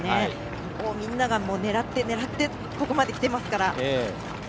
ここをみんなが狙ってここまで、きていますから。